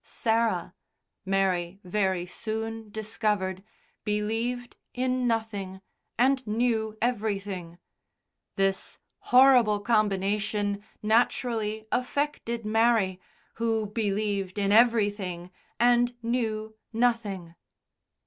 Sarah, Mary very soon discovered, believed in nothing, and knew everything. This horrible combination, naturally, affected Mary, who believed in everything and knew nothing.